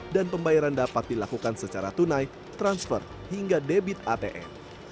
dan pembayaran dapat dilakukan secara tunai transfer hingga debit atm